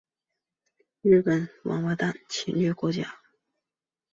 大日本帝国陆军军列表为旧日本陆军的军之列表。